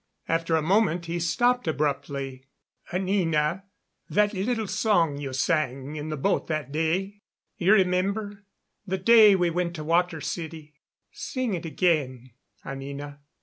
After a moment he stopped abruptly. "Anina, that little song you sang in the boat that day you remember the day we went to the Water City? Sing it again, Anina."